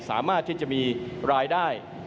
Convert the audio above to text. สามารถที่จะมีรายได้